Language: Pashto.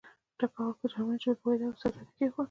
ډګروال په جرمني ژبه پوهېده او سګرټ یې کېښود